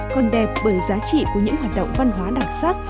còn đẹp bởi giá trị của những hoạt động văn hóa đặc sắc